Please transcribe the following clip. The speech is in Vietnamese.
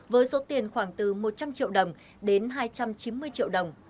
với số tiền khoảng từ một trăm linh triệu đồng đến hai trăm chín mươi triệu đồng